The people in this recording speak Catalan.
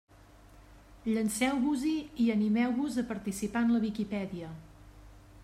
Llanceu-vos-hi i animeu-vos a participar en la Viquipèdia!